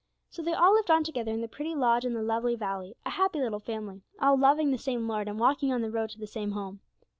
So they all lived on together in the pretty lodge in the lovely valley, a happy little family, all loving the same Lord, and walking on the road to the same Home.